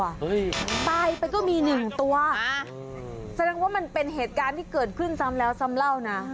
ตายไปก็มีหนึ่งตัวอ่าแสดงว่ามันเป็นเหตุการณ์ที่เกิดขึ้นซ้ำแล้วซ้ำเล่านะ